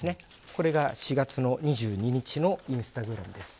これが４月２２日のインスタグラムです。